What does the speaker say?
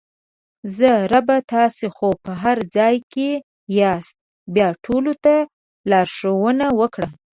زه: ربه تاسې خو په هر ځای کې یاست بیا ټولو ته لارښوونه وکړه!